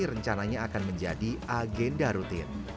rencananya akan menjadi agenda rutin